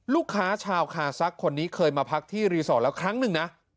ลูกค้าชาวคาซักคนนี้เคยมาพักที่รีสอร์ทแล้วครั้งหนึ่งนะ